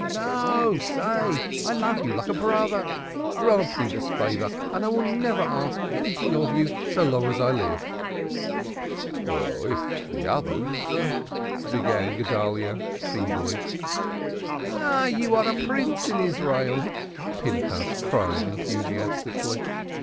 "No, say! I love you like a brother. Grant me this favor and I will never ask anything of you so long as I live." "Well, if the others " began Guedalyah feebly. "Ah! You are a Prince in Israel," Pinchas cried enthusiastically.